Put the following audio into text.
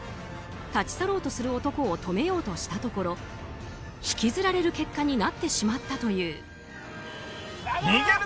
立ち去ろうとする男を止めようとしたところ引きずられる結果になってしまったという。